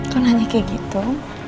kau nanya kayak gitu